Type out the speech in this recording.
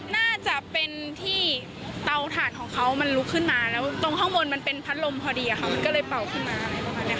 น่าจะเป็นที่เตาถ่านของเขามันลุกขึ้นมาแล้วตรงข้างบนมันเป็นพัดลมพอดีอะค่ะมันก็เลยเป่าขึ้นมาอะไรประมาณเนี้ย